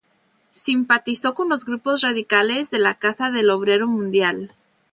Simpatizó con los grupos radicales de la Casa del Obrero Mundial.